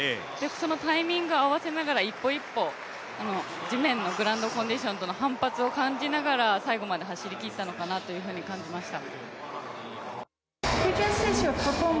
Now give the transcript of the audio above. そのタイミング合わせながら一歩一歩、地面のグランドコンディションとの反発を感じながら最後まで走りきったのかなと感じました。